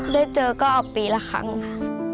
ได้เจอก็เอาปีละครั้งค่ะ